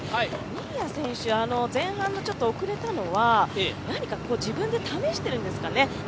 新谷選手、前半のちょっと遅れたのは、何か自分で何か試しているんですかね